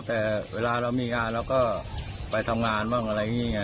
แต่เวลาเรามีงานเราก็ไปทำงานบ้างอะไรอย่างนี้ไง